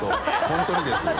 本当にですよ。